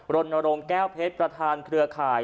รณรงค์แก้วเพชรประธานเครือข่าย